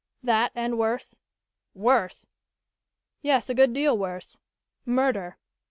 "That and worse." "Worse?" "Yes, a good deal worse. Murder!"